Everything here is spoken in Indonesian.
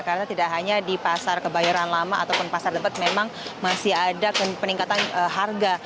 karena tidak hanya di pasar kebayoran lama ataupun pasar tebet memang masih ada peningkatan harga